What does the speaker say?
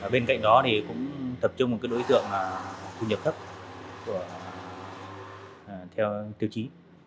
bên cạnh đó thì cũng tập trung một đối tượng thu nhập thấp theo tiêu chí